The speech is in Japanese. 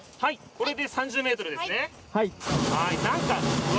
これで３０ｍですね。